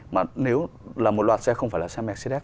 mà nếu là một loạt xe không phải là xe mercedes